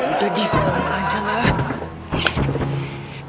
udah dif jangan rancang lah